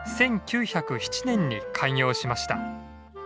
１９０７年に開業しました。